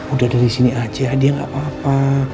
udah dari sini aja dia nggak apa apa